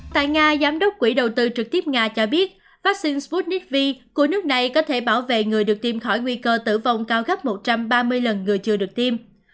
tại nga giám đốc quỹ đầu tư trực tiếp nga cho biết vaccine sputnik v của nước này có thể bảo vệ người được tiêm khỏi nguy cơ tử vong cao gấp một trăm ba mươi lần người chưa được tiêm